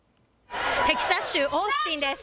テキサス州オースティンです。